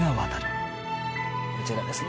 こちらですね。